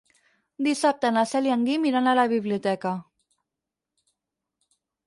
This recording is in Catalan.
Dissabte na Cel i en Guim iran a la biblioteca.